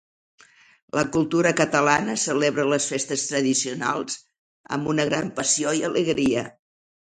La cultura catalana celebra les festes tradicionals amb una gran passió i alegria.